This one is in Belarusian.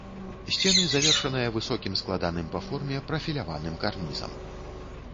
Сцены завершаныя высокім складаным па форме прафіляваным карнізам.